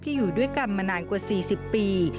อยู่ด้วยกันมานานกว่า๔๐ปี